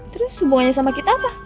terus semuanya sama kita apa